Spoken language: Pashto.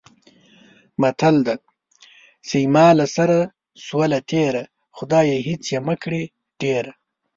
متل دی: چې زما له سره شوله تېره، خدایه هېڅ یې مه کړې ډېره.